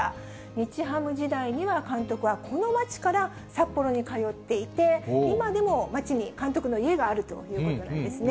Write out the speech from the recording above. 日ハム時代には、監督はこの町から札幌に通っていて、今でも町に監督の家があるということなんですね。